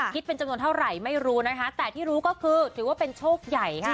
คิดเป็นจำนวนเท่าไหร่ไม่รู้นะคะแต่ที่รู้ก็คือถือว่าเป็นโชคใหญ่ค่ะ